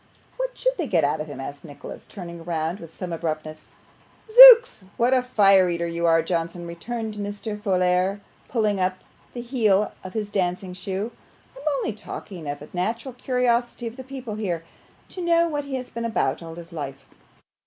'What SHOULD they get out of him?' asked Nicholas, turning round with some abruptness. 'Zooks! what a fire eater you are, Johnson!' returned Mr. Folair, pulling up the heel of his dancing shoe. 'I'm only talking of the natural curiosity of the people here, to know what he has been about all his life.